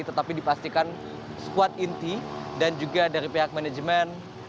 tetapi dipastikan squad inti dan juga dari pihak manajemen